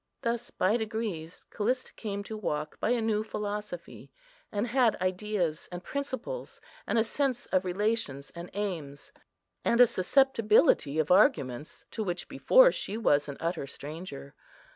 Thus, by degrees, Callista came to walk by a new philosophy; and had ideas, and principles, and a sense of relations and aims, and a susceptibility of arguments, to which before she was an utter stranger.